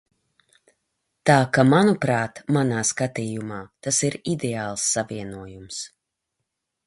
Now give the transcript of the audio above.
Tā ka, manuprāt, manā skatījumā, tas ir ideāls savienojums.